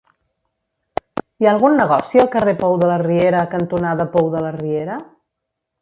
Hi ha algun negoci al carrer Pou de la Riera cantonada Pou de la Riera?